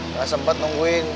nggak sempat nungguin